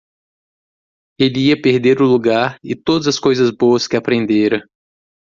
Ele ia perder o lugar e todas as coisas boas que aprendera.